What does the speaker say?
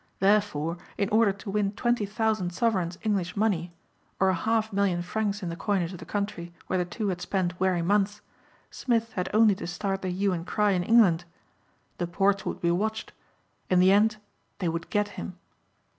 Therefore in order to win twenty thousand sovereigns English money, or a half million francs in the coinage of the country where the two had spent weary months, Smith had only to start the hue and cry in England. The ports would be watched. In the end they would get him.